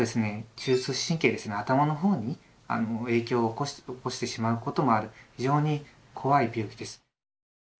中枢神経ですね頭の方に影響を起こしてしまうこともある非常に怖い病気です。